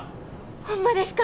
ホンマですか！？